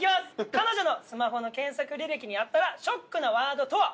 彼女のスマホの検索履歴にあったらショックなワードとは？